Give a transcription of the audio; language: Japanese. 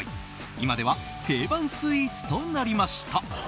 今では定番スイーツとなりました。